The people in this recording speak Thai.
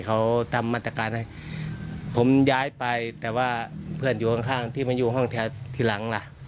เขาทำมาตรการให้ผมย้ายไปแต่ว่าเพื่อนอยู่ข้างข้างที่มาอยู่ห้องแถวทีหลังล่ะ